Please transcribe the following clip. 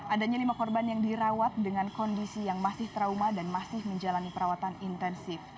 adanya lima korban yang dirawat dengan kondisi yang masih trauma dan masih menjalani perawatan intensif